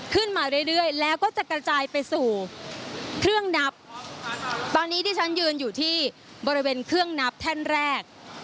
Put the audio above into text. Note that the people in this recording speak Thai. เครื่องนับตอนนี้ที่ฉันยืนอยู่ที่บริเวณเครื่องนับแท่นแรก